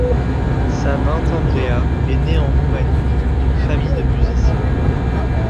Sabin Tambrea est né en Roumanie, d'une famille de musiciens.